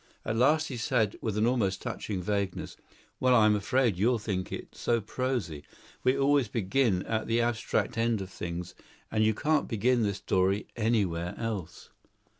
At last he said with an almost touching vagueness, "Well, I'm afraid you'll think it so prosy. We always begin at the abstract end of things, and you can't begin this story anywhere else.